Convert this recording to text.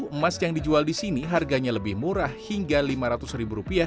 emas yang dijual di sini harganya lebih murah hingga rp lima ratus